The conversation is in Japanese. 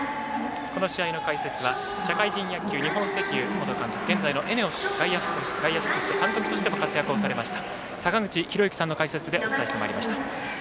この試合の解説は現在のＥＮＥＯＳの外野手として監督としても活躍をされました坂口裕之さんの解説でお伝えしてまいりました。